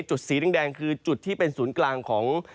สีแดงคือจุดที่เป็นศูนย์กลางของ